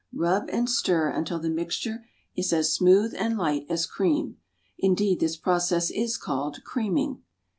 Rub and stir until the mixture is as smooth and light, as cream. Indeed, this process is called "creaming."